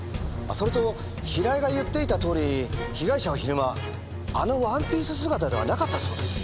それと平井が言っていたとおり被害者は昼間あのワンピース姿ではなかったそうです。